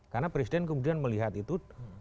karena presiden kemudian melihat itu